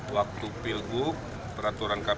waktu pilgub peraturan kpu